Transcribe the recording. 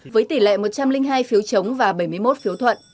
với tỷ lệ một trăm linh hai phiếu chống và bảy mươi một phiếu thuận